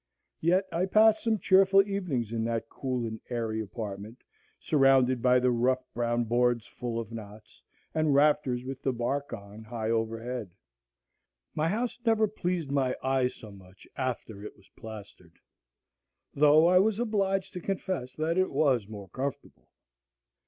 Yet I passed some cheerful evenings in that cool and airy apartment, surrounded by the rough brown boards full of knots, and rafters with the bark on high overhead. My house never pleased my eye so much after it was plastered, though I was obliged to confess that it was more comfortable.